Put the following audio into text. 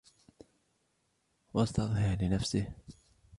وَاسْتَظْهَرَ لِنَفْسِهِ